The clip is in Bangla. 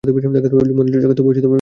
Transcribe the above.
মন যদি জাগে তবে সেই কি কম ভাগ্য!